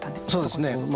そうですね。